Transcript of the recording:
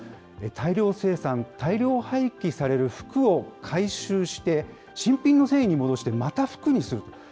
大量生産、大量廃棄される服を回収して、新品の繊維に戻して、また服にすると。